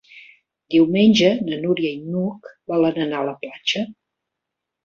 Diumenge na Núria i n'Hug volen anar a la platja.